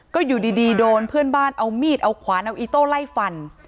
ก็อยู่ดีโดนเพื่อนบ้านเอามีดเอาขวานเอาอีโต้ไล่ฟัน